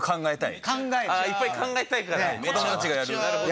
いっぱい考えたいから？